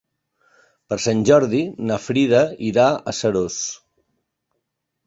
Per Sant Jordi na Frida irà a Seròs.